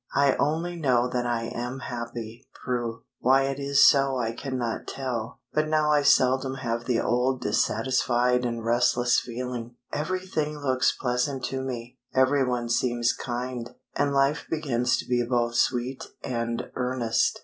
"I only know that I am happy, Prue. Why it is so I cannot tell; but now I seldom have the old dissatisfied and restless feeling. Everything looks pleasant to me, every one seems kind, and life begins to be both sweet and earnest.